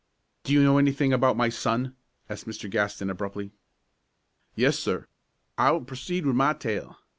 "Do you know anything about my son?" asked Mr. Gaston, abruptly. "Yes, sir. I will proceed with my tale.